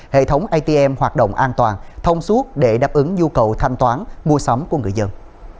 hệ thống atm hoạt động an toàn thông suốt để đáp ứng nhu cầu thanh toán mua sắm của người dân